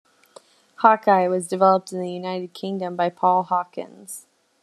Hawk-Eye was developed in the United Kingdom by Paul Hawkins.